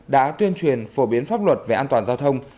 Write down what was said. đã tuyên truyền phổ biến pháp luật về an toàn giao thông